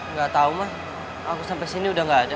nggak tau ma aku sampai sini udah nggak ada